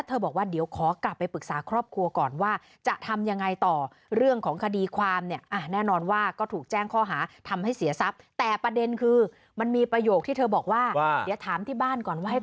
ตอบกันเองเลยนะคะ